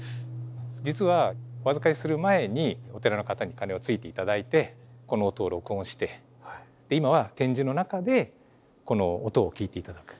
実はお預かりする前にお寺の方に鐘をついて頂いてこの音を録音して今は展示の中でこの音を聞いて頂く。